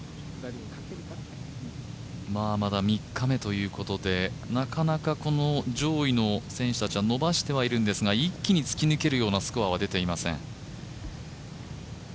まだ３日目ということでなかなか上位の選手たちは伸ばしてはいるんですが一気に突き抜けるようなスコアは出ていません。